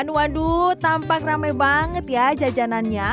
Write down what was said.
waduh tampak rame banget ya jajanannya